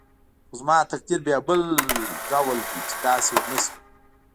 خو زما تقدیر بیا بل ډول دی چې داسې ونه شول.